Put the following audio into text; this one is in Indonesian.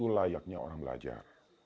kayaknya orang belajar